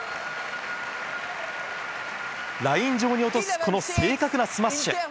ライン上に落とす、この正確なスマッシュ。